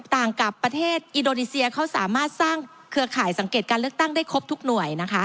ต่างประเทศอินโดนีเซียเขาสามารถสร้างเครือข่ายสังเกตการเลือกตั้งได้ครบทุกหน่วยนะคะ